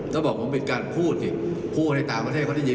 ก็บอกว่าผมปิดกันพูดให้ต่างประเทศเขาได้ยิน